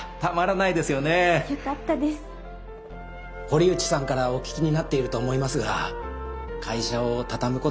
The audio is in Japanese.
堀内さんからお聞きになっていると思いますが会社を畳むことになりまして。